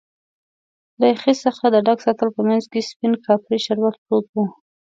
له یخی څخه د ډک سطل په مینځ کې سپین کاپري شربت پروت و.